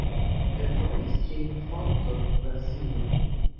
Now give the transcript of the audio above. Eldonis ĝin Fonto, Brazilo.